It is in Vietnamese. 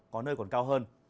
có nơi còn cao hơn